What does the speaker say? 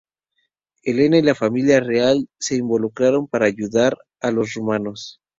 Elena y la familia real se involucraron para ayudar a los rumanos.